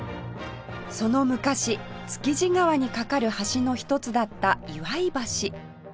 その昔築地川に架かる橋の一つだった祝橋